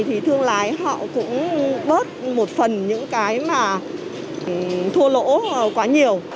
thì thương lái họ cũng bớt một phần những cái mà thua lỗ quá nhiều